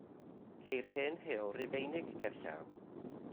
Ceir hen heol Rufeinig gerllaw.